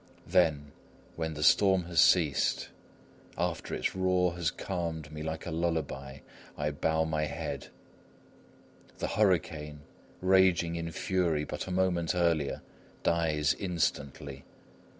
Then, when the storm has ceased, after its roar has calmed me like a lullaby, I bow my head: the hurricane, raging in fury but a moment earlier dies instantly.